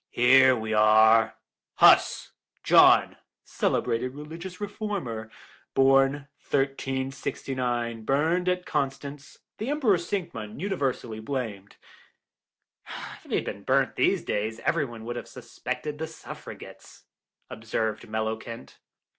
Here we are: 'Huss, John, celebrated religious reformer. Born 1369, burned at Constance 1415. The Emperor Sigismund universally blamed.'" "If he had been burnt in these days every one would have suspected the Suffragettes," observed Mellowkent.